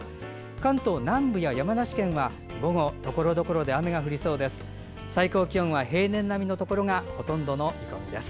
関東南部や山梨県は午後、ところどころで雨が降りそうです。